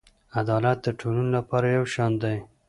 عدالت د ټولو لپاره یو شان دی.